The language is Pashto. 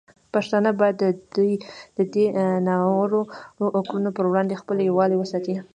پښتانه باید د دې ناروا کړنو پر وړاندې خپل یووالی وساتي.